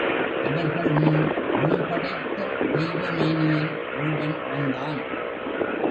அவர்கள் முன் ஒளிபடைத்த தெய்வ மேனியன் ஒருவன் வந்தான்.